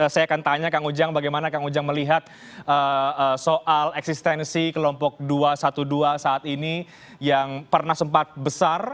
saya akan tanya kang ujang bagaimana kang ujang melihat soal eksistensi kelompok dua ratus dua belas saat ini yang pernah sempat besar